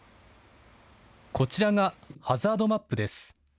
こちらがハザードマップです。